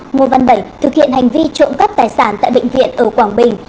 ngô văn bảy thực hiện hành vi trộm cắp tài sản tại bệnh viện ở quảng bình